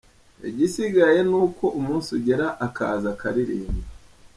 Igisigaye ni uko umunsi ugera akaza akaririmba.